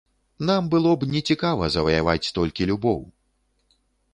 Нам было б нецікава заваяваць толькі любоў!